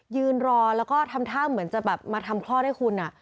ยืนรอแล้วก็ทำท่าเหมือนจะแบบมาทำคลอดให้คุณ